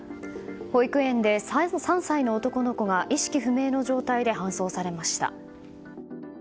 保育園で３歳の男の子が意識不明の状態で搬送されました。